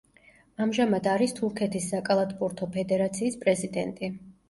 ამჟამად არის თურქეთის საკალათბურთო ფედერაციის პრეზიდენტი.